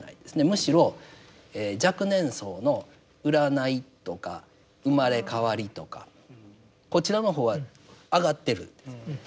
むしろ若年層の占いとか生まれ変わりとかこちらの方は上がっているんです。